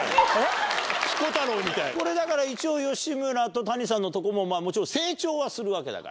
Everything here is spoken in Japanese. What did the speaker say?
これだから一応吉村と谷さんのとこもまぁもちろん成長はするわけだから。